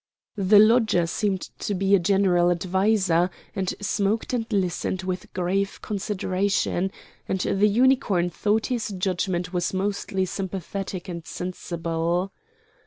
The lodger seemed to be a general adviser, and smoked and listened with grave consideration, and the Unicorn thought his judgment was most sympathetic and sensible.